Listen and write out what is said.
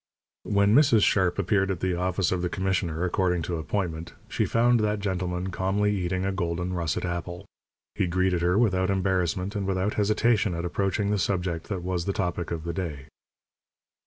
When Mrs. Sharp appeared at the office of the commissioner, according to appointment, she found that gentleman calmly eating a golden russet apple. He greeted her without embarrassment and without hesitation at approaching the subject that was the topic of the day.